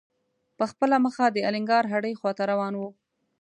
په خپله مخه د الینګار هډې خواته روان و.